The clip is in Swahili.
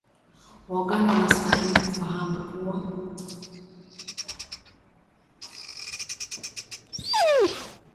waganda wanastahili kufahamu kuwa